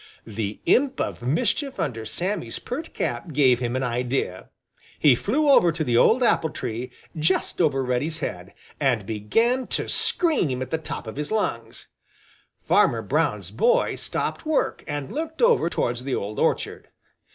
The imp of mischief under Sammy's pert cap gave him an idea. He flew over to the old apple tree, just over Reddy's head, and began to scream at the top of his lungs. Farmer Brown's boy stopped work and looked over towards the old orchard.